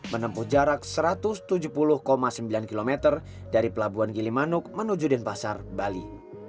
menempuh jarak satu ratus tujuh puluh sembilan km dari pelabuhan gilimanuk menuju denpasar bali